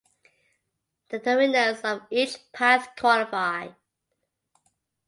The winners of each path qualify.